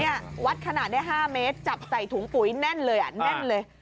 วัดขนาดได้๕เมตรจับใส่ถุงปุ๋ยแน่นเลยอ่ะแน่นเลย